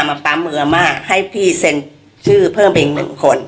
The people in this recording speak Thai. มาปั๊มมืออาม่าให้พี่เซ็นชื่อเพิ่มไปอีกหนึ่งคน